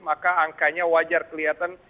maka angkanya wajar kelihatan